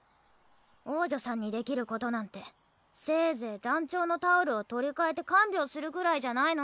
王女さんにできることなんてせいぜい団長のタオルを取り替えて看病するぐらいじゃないの？